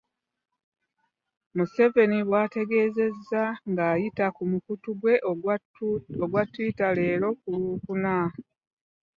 Museveni bw'ategeezezza ng'ayita ku mukutu gwe ogwa Twitter leero ku Lwokuna.